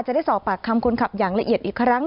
จะได้สอบปากคำคนขับอย่างละเอียดอีกครั้ง